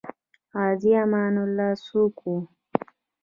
غازي امان الله څوک وو؟